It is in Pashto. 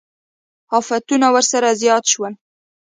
افتونه ورسره زیات شول.